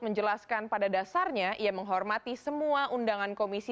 menjelaskan pada dasarnya ia menghormati semua undangan komisi